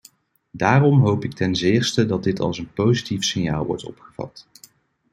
Daarom hoop ik ten zeerste dat dit als een positief signaal wordt opgevat.